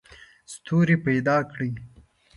ستونزي پیدا کړي.